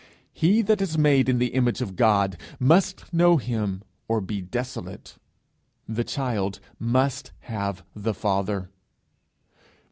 He that is made in the image of God must know him or be desolate: the child must have the Father!